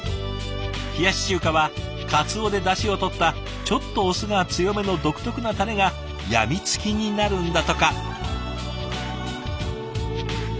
冷やし中華はかつおでだしをとったちょっとお酢が強めの独特なタレがやみつきになるんだとか。